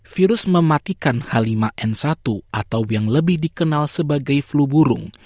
virus mematikan h lima n satu atau yang lebih dikenal sebagai flu burung